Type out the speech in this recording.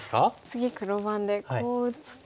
次黒番でこう打つと。